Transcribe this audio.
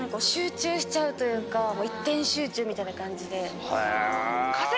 一点集中みたいな感じで。